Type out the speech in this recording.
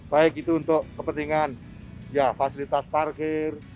baik itu untuk kepentingan fasilitas parkir